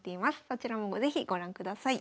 そちらも是非ご覧ください。